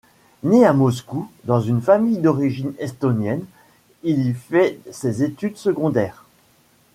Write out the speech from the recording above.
Né à Moscou dans une famille d'origine estonienne, il y fait ses études secondaires.